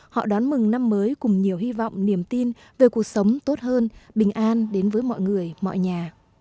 họ đón mừng năm mới cùng nhiều hy vọng niềm tin về cuộc sống tốt hơn bình an đến với mọi người mọi nhà